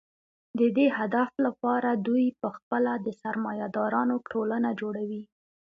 د دې هدف لپاره دوی په خپله د سرمایه دارانو ټولنه جوړوي